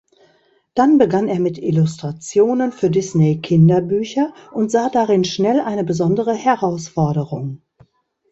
Dann begann er mit Illustrationen für Disney-Kinderbücher und sah darin schnell eine besondere Herausforderung.